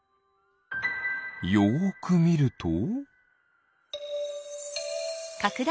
よくみると。